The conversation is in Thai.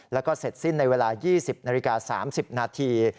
แล้วก็เสร็จสิ้นในเวลา๒๐๓๐นาที